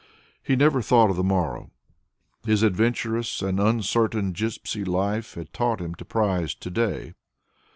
He never thought of the morrow; his adventurous and uncertain gipsy life had taught him to prize to day.